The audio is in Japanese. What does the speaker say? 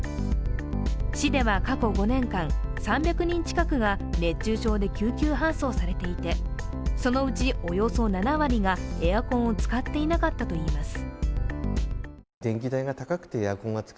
市では過去５年間、３００人近くが熱中症で救急搬送されていてそのうちおよそ７割がエアコンを使っていなかったといいます。